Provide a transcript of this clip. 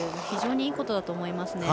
非常にいいことだと思います。